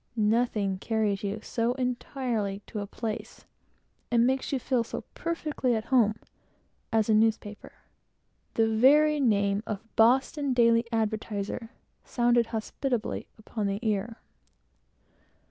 Nothing carries you so entirely to a place, and makes you feel so perfectly at home, as a newspaper. The very name of "Boston Daily Advertiser" "sounded hospitably upon the ear."